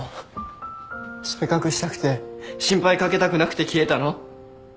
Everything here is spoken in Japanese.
それ隠したくて心配掛けたくなくて消えたの？